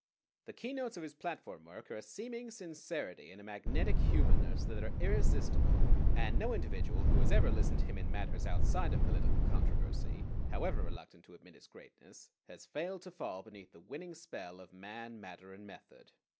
The keynotes of his platform work are a seeming sincerity and a magnetic humanness that are irresistible, and no individual who has ever listened to him in matters outside of political controversy, however reluctant to admit his greatness, has failed to fall beneath the winning spell of man, matter, and method.